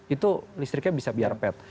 itu listriknya bisa biar pet